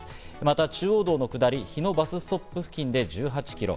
また中央道の下り、日野バスストップ付近で１８キロ。